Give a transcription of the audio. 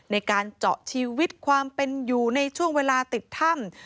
ในการเจาะชีวิตความเป็นอยู่ในช่วงเวลาติดถ้ำ